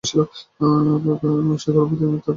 সে গর্ভবতী এবং তুই তাকে নির্দয়ভাবে তাড়িয়ে দিচ্ছিস।